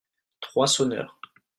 Trois sonneurs.